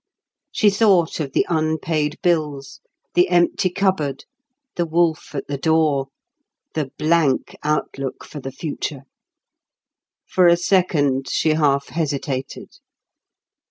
She thought of the unpaid bills, the empty cupboard, the wolf at the door, the blank outlook for the future. For a second, she half hesitated.